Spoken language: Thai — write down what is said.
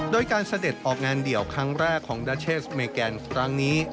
โดยการเสด็จออกงานเดี่ยวครั้งแรกของดาเชสเมแกนส์ครั้งนี้